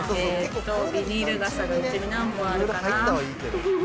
ビニール傘がうちに何本あるかな。